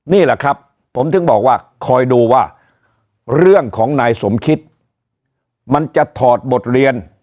นี่แหละครับผมถึงบอกว่าคอยดูว่าเรื่องของนายสมคิดมันจะถอดบทเรียน